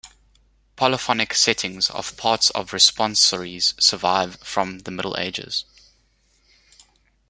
Polyphonic settings of parts of responsories survive from the Middle Ages.